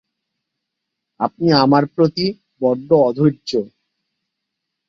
আপনি আমার প্রতি বড্ড অধৈর্য্য।